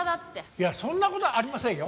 いやそんな事ありませんよ。